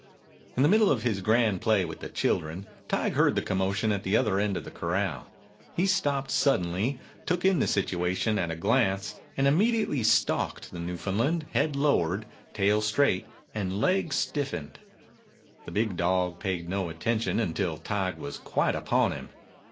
In the middle of his grand play with the children, Tige heard the commotion at the other end of the corral. He stopped sud denly, took in the situation at a glance, and immediately stalked the Newfoundland, head lowered, tail straight, and legs stiffened. The big dog paid no attention until Tige was quite upon him.